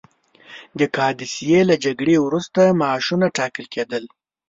د قادسیې له جګړې وروسته معاشونه ټاکل کېدل.